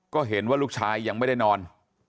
ก็เห็นว่าลูกชายยังไม่ได้นอน